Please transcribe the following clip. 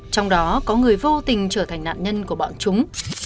trong đó có người vô tình trở thành nạn nhân của bọn chúng